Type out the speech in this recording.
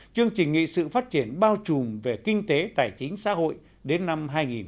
chương trình nghị sự phát triển bao trùm về kinh tế tài chính xã hội đến năm hai nghìn ba mươi